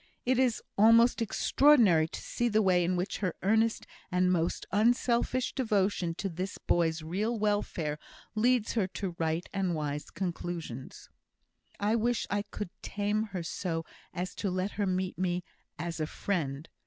It is almost extraordinary to see the way in which her earnest and most unselfish devotion to this boy's real welfare leads her to right and wise conclusions." "I wish I could tame her so as to let me meet her as a friend.